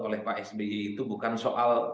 oleh pak sby itu bukan soal